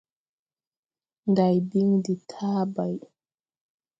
Nday ɓin de taabay.